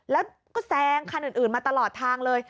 แล้วก็แซงคันอื่นมาตลอดทางเลย